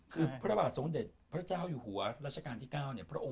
คือพระบาทสงเด็จพระเจ้าอยู่หัวราชการที่๙เนี่ย